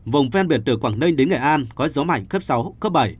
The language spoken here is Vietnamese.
vùng ven biển từ quảng ninh đến nghệ an có gió mạnh cấp sáu cấp bảy